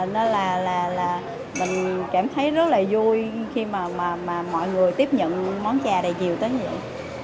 nên là mình cảm thấy rất là vui khi mà mọi người tiếp nhận món trà này nhiều tới như vậy